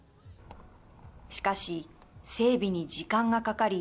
しかし、整備に時間がかかり